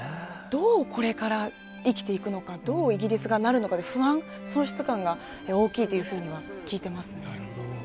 どう、これから生きていくのか、どうイギリスがなるのか、不安、喪失感が大きいというふうなるほど。